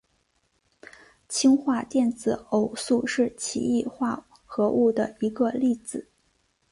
氢化电子偶素是奇异化合物的一个例子。